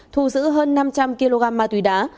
thu giữ hơn năm trăm linh kg ma túy đá